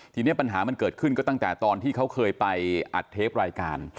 ทีนี้ปัญหามันเกิดขึ้นก็ตั้งแต่ตอนที่เขาเคยไปอัดเทปรายการ